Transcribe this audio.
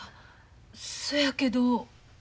そやけど。